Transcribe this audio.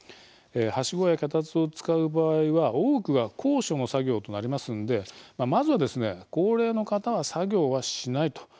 はしごや脚立を使う場合は多くが高所の作業となりますのでまずは高齢の方は作業はしないと。